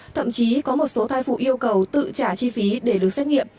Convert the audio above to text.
thậm chí có một số thai phụ yêu cầu tự trả chi phí để được xét nghiệm